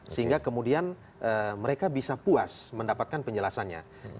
sehingga kemudian mereka bisa puas mendapatkan penjelasannya